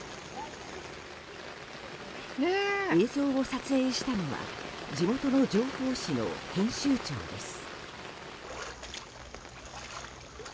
映像を撮影したのは地元の情報誌の編集長です。